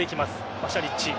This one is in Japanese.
パシャリッチ。